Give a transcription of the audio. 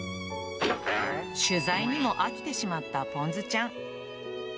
取材にも飽きてしまったぽんずちゃん。